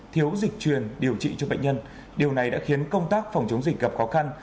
thiếu dịch truyền điều trị cho bệnh nhân điều này đã khiến công tác phòng chống dịch gặp khó khăn